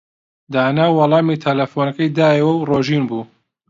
دانا وەڵامی تەلەفۆنەکەی دایەوە و ڕۆژین بوو.